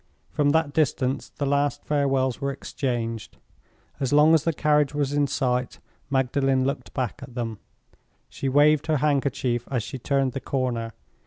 From that distance the last farewells were exchanged. As long as the carriage was in sight, Magdalen looked back at them; she waved her handkerchief as she turned the corner.